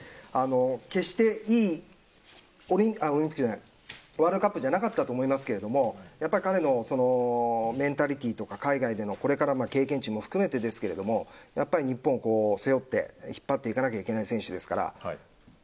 決していいワールドカップじゃなかったと思いますけれどもやっぱり彼のメンタリティーとか海外でのこれからの経験値も含めてですけど日本を背負って引っ張っていかないといけない選手ですから。